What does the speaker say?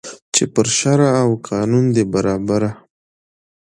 چي پر شرع او قانون ده برابره